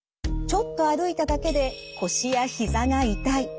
ちょっと歩いただけで腰やひざが痛い。